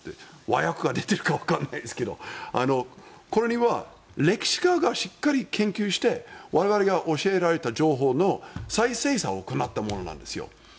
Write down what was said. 和約が出ているかわからないですがこれには歴史家がしっかり研究して我々が教えられた情報の再精査を行ったものなんです。